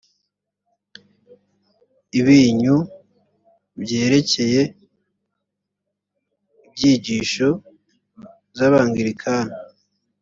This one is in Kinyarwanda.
ibinyu byerekeye inyigisho z’abangilikani